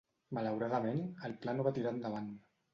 Malauradament, el pla no va tirar endavant.